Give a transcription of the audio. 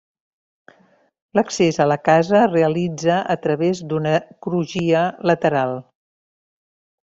L'accés a la casa es realitza a través d'una crugia lateral.